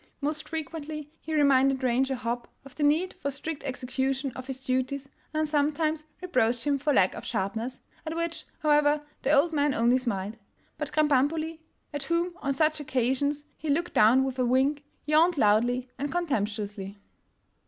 Most frequently he reminded Ranger Hopp of the need for strict execution of his duties, and sometimes reproached him for lack of sharpness — at which, however, the old man only smiled. But Krambambuli, at whom on such ocasions he looked down with a wink, yawned loudly and contemptuously.